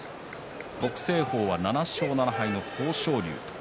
北青鵬は７勝７敗の豊昇龍と。